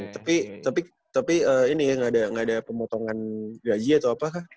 tapi tapi tapi ini ya gak ada pemotongan gaji atau apa kah